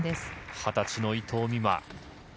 ２０歳の伊藤美誠。